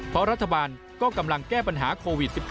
เพราะรัฐบาลก็กำลังแก้ปัญหาโควิด๑๙